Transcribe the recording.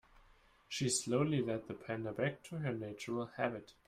She slowly led the panda back to her natural habitat.